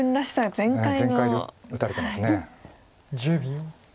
全開で打たれてます。